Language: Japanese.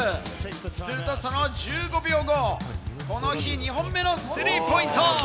するとその１５秒後、この日、２本目のスリーポイント。